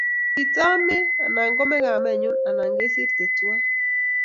Kitamee, anan kome kamenyu anan kesirte tuwai